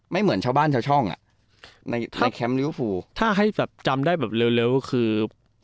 ไม่เหมือนชาวบ้านชาวช่องอ่ะในถ้าให้แบบจำได้แบบเร็วเร็วคือ